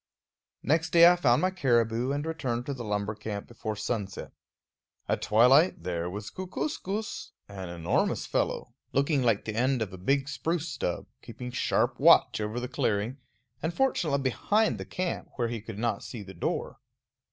Next day I found my caribou, and returned to the lumber camp before sunset. At twilight there was Kookooskoos, an enormous fellow, looking like the end of a big spruce stub, keeping sharp watch over the clearing, and fortunately behind the camp where he could not see the door.